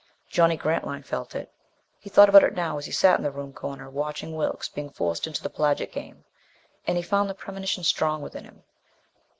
Johnny Grantline felt it. He thought about it now as he sat in the room corner watching Wilks being forced into the plaget game, and he found the premonition strong within him.